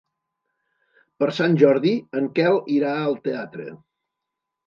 Per Sant Jordi en Quel irà al teatre.